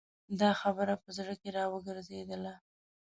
دا خبره په زړه کې را وګرځېدله.